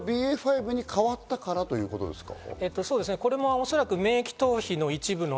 ＢＡ．５に変わったからということですか？